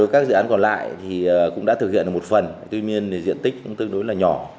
các dự án còn lại thì cũng đã thực hiện được một phần tuy nhiên diện tích cũng tương đối là nhỏ